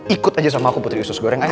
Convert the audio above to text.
ikut aja sama aku putri sus goreng ayo